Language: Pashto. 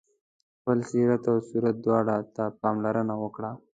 خپل سیرت او صورت دواړو ته پاملرنه وکړه.